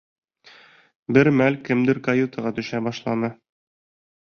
Бер мәл кемдер каютаға төшә башланы.